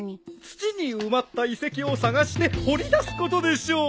土に埋まった遺跡を探して掘り出すことでしょう